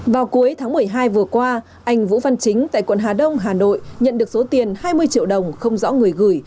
vào cuối tháng một mươi hai vừa qua anh vũ văn chính tại quận hà đông hà nội nhận được số tiền hai mươi triệu đồng không rõ người gửi